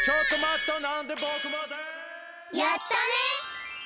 やったね！